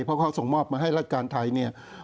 เพราะเขาส่งมอบมาให้ราชการไทย